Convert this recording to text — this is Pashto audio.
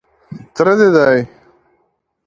_تره دې دی.